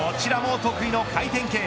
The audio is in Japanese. こちらも得意の回転系。